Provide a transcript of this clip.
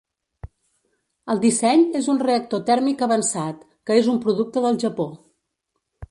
El disseny és un reactor tèrmic avançat, que és un producte del Japó.